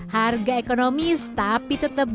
harga ekonomis tapi tetap